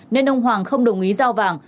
nên ông hoàng không đồng ý giao vàng